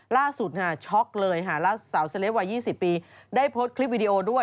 ล่าสุดนะฮะช็อคเลยฮะล่าสาวเซลปว่า๒๐ปีได้โพสต์คลิปวีดีโอด้วย